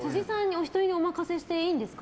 お一人にお任せしていいんですか？